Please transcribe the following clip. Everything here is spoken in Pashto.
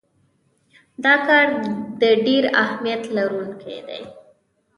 دا کار د ډیر اهمیت لرونکی دی.